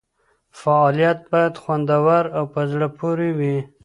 فعالیت باید خوندور او په زړه پورې وي.